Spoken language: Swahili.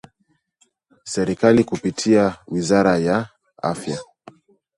Serikali kupitia Wizara ya Afya